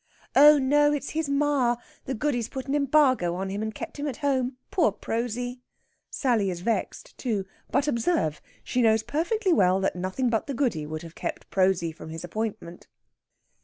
"Oh, no! It's his ma! The Goody's put an embargo on him, and kept him at home. Poor Prosy!" Sally is vexed, too. But observe! she knows perfectly well that nothing but the Goody would have kept Prosy from his appointment.